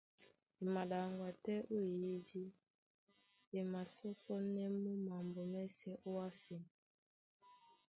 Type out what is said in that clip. E maɗaŋgwá tɛ́ ó ó eyídí, e masɔ́sɔ́nɛ́ mɔ́ mambo mɛ́sɛ̄ ówásē.